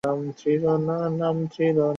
এ সময় মুসলমানরা মূলত যুদ্ধের অবস্থায় ছিল না।